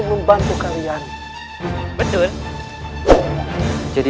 serang kanda lagi